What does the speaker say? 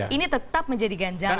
ini tetap menjadi ganjalan